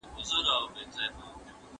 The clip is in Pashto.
تېري سياسي تېروتني بايد هېري نه سي.